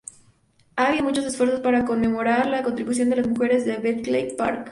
Ha habido muchos esfuerzos para conmemorar la contribución de las mujeres de Bletchley Park.